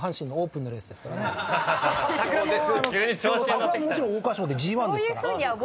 「サクラ」ももちろん桜花賞でＧⅠですから。